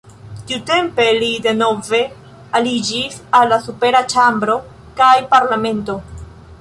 Tiutempe li denove aliĝis al la supera ĉambro kaj parlamento.